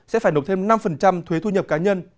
sẽ phải nộp thêm năm thuế thu nhập cá nhân